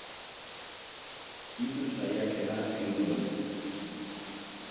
Hiru saiakera egingo ditu.